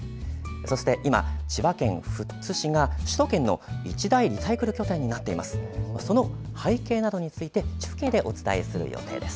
そして今、千葉県富津市が首都圏の一大リサイクル拠点になっています。